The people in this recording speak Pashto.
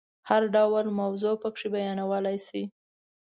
هر ډول موضوع پکې بیانولای شي.